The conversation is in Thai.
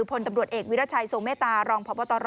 พลตำรวจเอกวิรัชัยทรงเมตตารองพบตร